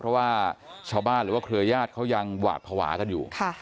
เพราะว่าชาวบ้านหรือว่าเครือญาติเขายังหวาดภาวะกันอยู่